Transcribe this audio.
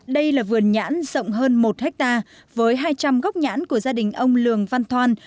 đây là vườn nhãn rộng hơn một hectare với hai trăm linh gốc nhãn của gia đình ông lường văn thoan